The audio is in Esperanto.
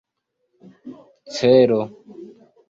celo